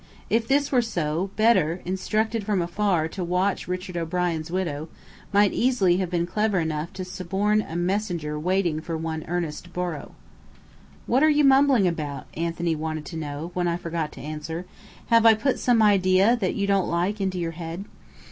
If this were so, Bedr, instructed from afar to watch Richard O'Brien's widow, might easily have been clever enough to suborn a messenger waiting for one Ernest Borrow. "What are you mumbling about?" Anthony wanted to know, when I forgot to answer. "Have I put some idea that you don't like into your head?"